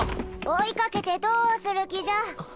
追いかけてどーする気じゃ？